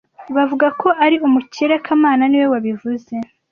Bavuga ko ari umukire kamana niwe wabivuze